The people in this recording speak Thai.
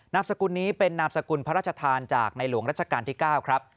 มสกุลนี้เป็นนามสกุลพระราชทานจากในหลวงรัชกาลที่๙ครับ